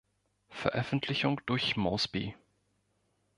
Veröffentlichung durch Mosby.